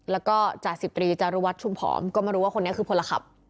แล้วก็จ่าสิบตรีจารุวัตรชุมผอมก็ไม่รู้ว่าคนนี้คือพลขับ